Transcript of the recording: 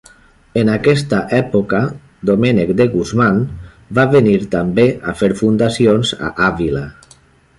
En aquesta època Domènec de Guzmán va venir també a fer fundacions a Àvila.